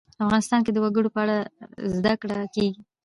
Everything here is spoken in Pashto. افغانستان کې د وګړي په اړه زده کړه کېږي.